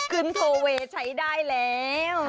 คืนโทเวใช้ได้แล้ว